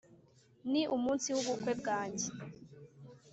ni umunsi w'ubukwe bwanjye